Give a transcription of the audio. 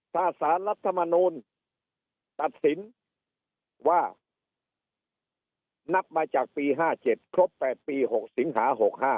ถ้าสารรัฐมนูลตัดสินว่านับมาจากปี๕๗ครบ๘ปี๖สิงหา๖๕